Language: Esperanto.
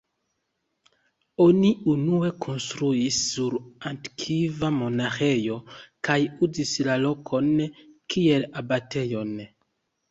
Oni unue konstruis sur antikva monaĥejo kaj uzis la lokon kiel abatejon.